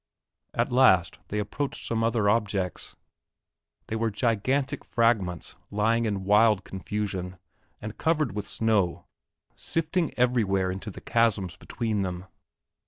At last they approached some other objects. They were gigantic fragments lying in wild confusion and covered with snow sifting everywhere into the chasms between them.